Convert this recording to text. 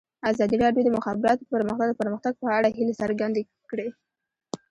ازادي راډیو د د مخابراتو پرمختګ د پرمختګ په اړه هیله څرګنده کړې.